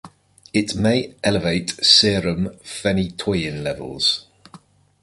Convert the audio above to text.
It may elevate serum phenytoin levels.